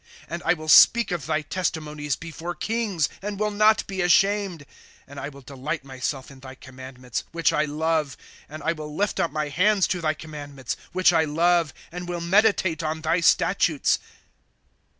^ And I will speak of thy testimonies before kings, And will not be ashamed. *' And I will delight myself in thy commandments, Which I love. ^ And I will lift up my hands to thy commandments, Which I love, And will meditate on thy statutes.